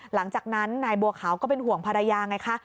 หลังจากนั้นนายบัวขาวก็เป็นห่วงภรรยาไงคะ